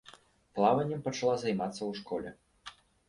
Плаваннем пачала займацца ў школе.